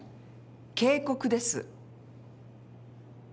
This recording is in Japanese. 警告です。